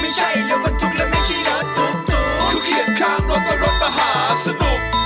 อะไรก็คงไม่เหนือรถมันชุด